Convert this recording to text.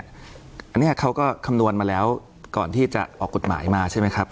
อันนี้เขาก็คำนวณมาแล้วก่อนที่จะออกกฎหมายมาใช่ไหมครับ